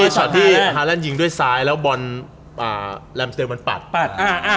ชอตที่ฮารรนด์ยิงด้วยซ้ายแล้วมันปัด